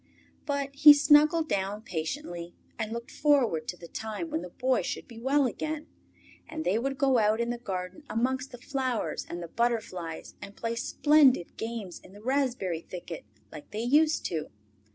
But he snuggled down patiently, and looked forward to the time when the Boy should be well again, and they would go out in the garden amongst the flowers and the butterflies and play splendid games in the raspberry thicket like they used to.